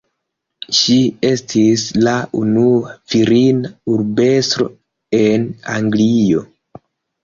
Ŝi estis la unua virina urbestro en Anglio.